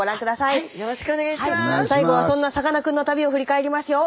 最後はそんなさかなクンの旅を振り返りますよ。